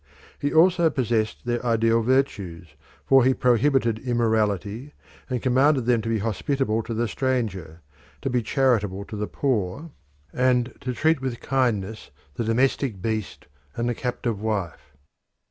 He also possessed their ideal virtues, for he prohibited immorality and commanded them to be hospitable to the stranger, to be charitable to the poor, and to treat with kindness the domestic beast and the captive wife.